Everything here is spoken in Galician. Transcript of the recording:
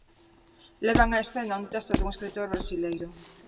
Levan a escena un texto dun escritor brasileiro.